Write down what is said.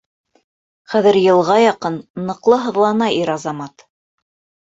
Хәҙер йылға яҡын ныҡлы һыҙлана ир-азамат.